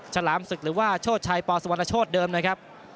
ฉลามศึกหรือว่าโชชัยปสุวรรณโชธเดิมนะครับ